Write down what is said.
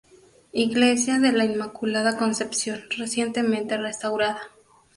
Iglesia de la Inmaculada Concepción recientemente restaurada.